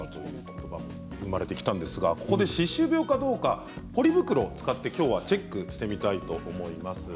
ここで、歯周病かどうかポリ袋を使ってきょうはチェックしてみたいと思います。